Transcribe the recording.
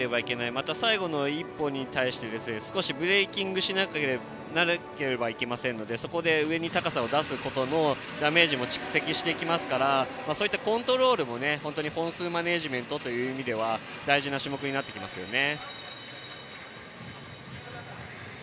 また最後の１歩に対して少しブレーキングをしなければいけませんのでそこで上に高さを出すことのダメージも蓄積していきますからコントロールも本数マネージメントという意味では大事な種目になってきますね。